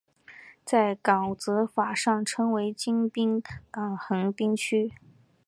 在港则法上称为京滨港横滨区。